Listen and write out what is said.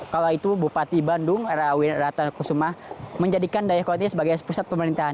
kala itu bupati bandung rawin rata kusuma menjadikan dayakolot ini sebagai pusat pemerintahan